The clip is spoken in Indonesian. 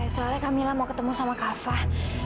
soalnya kak mila mau ketemu sama kak fah